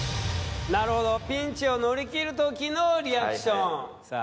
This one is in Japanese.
なるほどピンチを乗り切るときのリアクションさあ